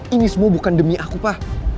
ini semua bukan demi aku pak